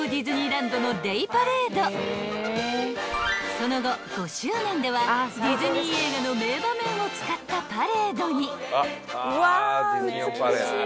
［その後５周年ではディズニー映画の名場面を使ったパレードに］